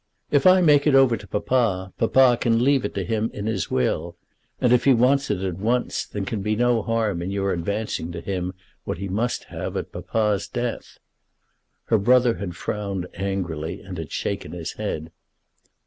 "If I make it over to Papa, Papa can leave it him in his will; and if he wants it at once there can be no harm in your advancing to him what he must have at Papa's death." Her brother had frowned angrily and had shaken his head.